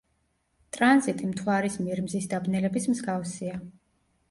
ტრანზიტი მთვარის მიერ მზის დაბნელების მსგავსია.